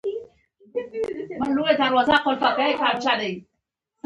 هغه هلته دوعا کړې وه.